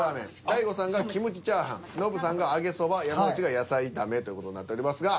大悟さんが「キムチ炒飯」ノブさんが「揚げそば」山内が「野菜炒め」という事になっておりますが。